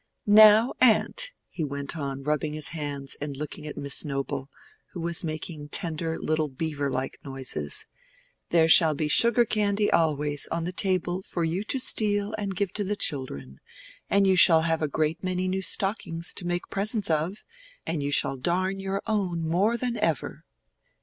"Now, aunt," he went on, rubbing his hands and looking at Miss Noble, who was making tender little beaver like noises, "There shall be sugar candy always on the table for you to steal and give to the children, and you shall have a great many new stockings to make presents of, and you shall darn your own more than ever!"